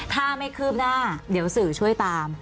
ถ้าไม่คืบหน้าเดี๋ยวสื่อช่วยตาม